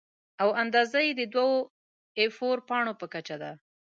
او اندازه یې د دوو اې فور پاڼو په کچه ده.